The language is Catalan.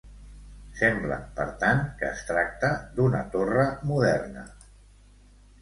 Sembla, per tant, que es tracta d'una torre moderna.